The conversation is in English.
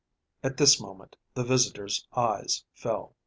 At this moment the visitor's eyes fell.